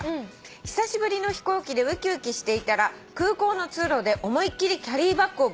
「久しぶりの飛行機でウキウキしていたら空港の通路で思い切りキャリーバッグをぶつけられました」